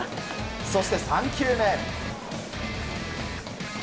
そして３球目。